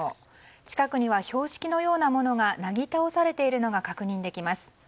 近くには標識のようなものがなぎ倒されているのが確認できます。